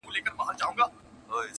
زما پر کهاله لویه سې ملاله مېړنۍ -